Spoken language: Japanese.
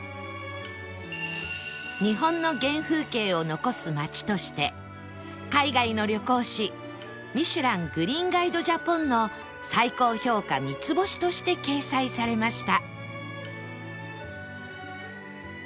日本の原風景を残す町として海外の旅行誌『ミシュラン・グリーンガイド・ジャポン』の最高評価三つ星として掲載されました